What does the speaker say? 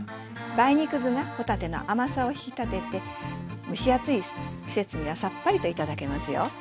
梅肉酢が帆立ての甘さを引き立てて蒸し暑い季節にはさっぱりと頂けますよ。